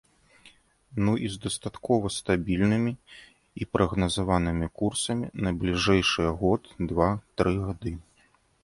Ну, і з дастаткова стабільнымі і прагназаванымі курсамі на найбліжэйшыя год, два, тры гады.